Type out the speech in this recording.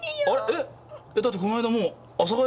えっだってこの間もう朝帰り。